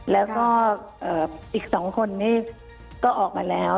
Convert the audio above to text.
แล้วก็อีก๒คนนี้ก็ออกมาแล้ว